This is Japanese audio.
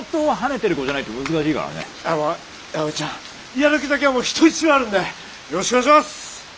やる気だけはもう人一倍あるんでよろしくお願いします！